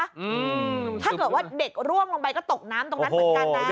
อืมถ้าเกิดว่าเด็กร่วงลงไปก็ตกน้ำตรงนั้นเหมือนกันนะ